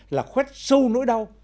là khuét sâu nỗi đau